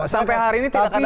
sampai hari ini tidak ada